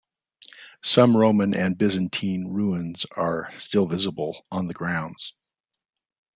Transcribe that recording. Some Roman and Byzantine ruins are still visible on the grounds.